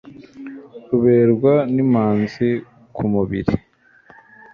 Ruberwa n' imanzi ku mubiri